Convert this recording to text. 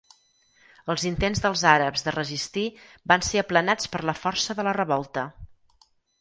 Els intents dels àrabs de resistir van ser aplanats per la força de la revolta.